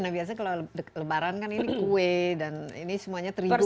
nah biasanya kalau lebaran kan ini kue dan ini semuanya terigu